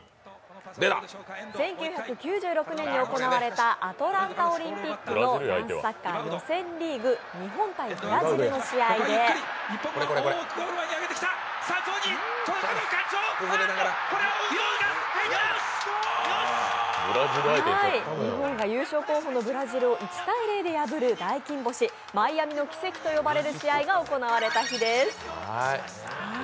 １９９６年に行われたアトランタオリンピックの男子サッカー予選リーグ、日本×ブラジルの試合で日本が優勝候補のブラジルを１−０で破る大金星、マイアミの奇跡と呼ばれる試合が行われた日です。